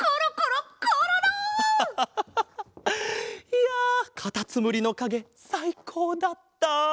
いやカタツムリのかげさいこうだった。